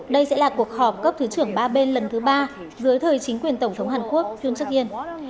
đây sẽ là cuộc họp cấp thứ trưởng ba bên lần thứ ba dưới thời chính quyền tổng thống hàn quốc hương trắc yên